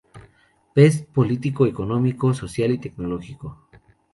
Pest "Político, Económico, Social y Tecnológico".